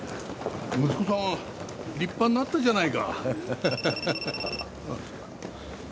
息子さん立派になったじゃないか。